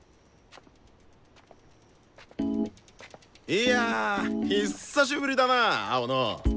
いやひっさしぶりだな青野！